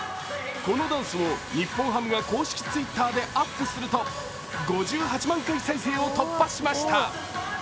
このダンスを日本ハムが公式Ｔｗｉｔｔｅｒでアップすると５８万回再生を突破しました。